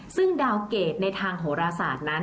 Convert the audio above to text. ซึ่งดาวเกรดในทางโหรศาสตร์นั้น